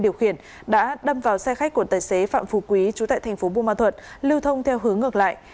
điều khiển đã đâm vào xe khách của tài xế phạm phù quý chú tại thành phố buôn ma thuật lưu thông theo hướng ngược lại